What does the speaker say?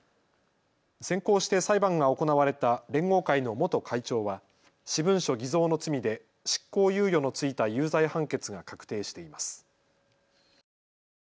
先行して裁判が行われた連合会の元会長は私文書偽造の罪で執行猶予のついた有罪判決が確定しています。